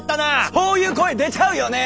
そういう声出ちゃうよねー。